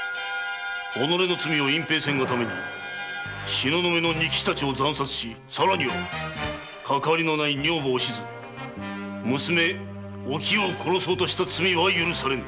己の罪を隠蔽せんがために東雲の仁吉達を惨殺し更にはかかわりない女房・お静娘・お清を殺そうとした罪は許されぬ！